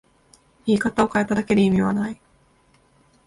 言い方を変えただけで意味はない